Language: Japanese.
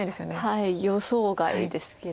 はい予想外ですけど。